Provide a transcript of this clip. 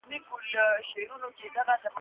له پېښوره ګیله من لاهور ته کډه کوم